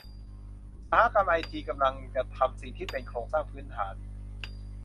อุตสาหกรรมไอทีกำลังจะทำสิ่งที่เป็นโครงสร้างพื้นฐาน